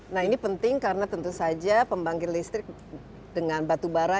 nah ini penting karena tentu saja pembangkit listrik dengan batu bara